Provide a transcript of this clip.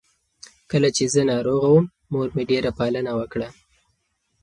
کله چې زه ناروغه وم، مور مې ډېره پالنه وکړه.